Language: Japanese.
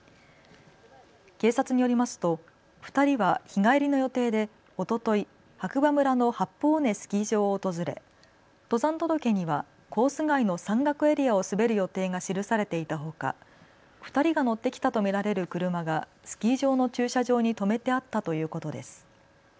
警察によりますと２人は日帰りの予定でおととい、白馬村の八方尾根スキー場を訪れ登山届にはコース外の山岳エリアを滑る予定が記されていたほか、２人が乗ってきたと見られる車がスキー場の駐車場にとめてあったということです。